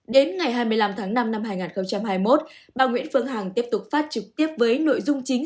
đến ngày hai mươi năm tháng năm năm hai nghìn hai mươi một bà nguyễn phương hằng tiếp tục phát trực tiếp với nội dung chính